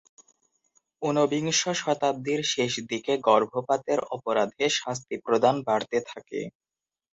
উনবিংশ শতাব্দীর শেষ দিকে গর্ভপাতের অপরাধে শাস্তি প্রদান বাড়তে থাকে।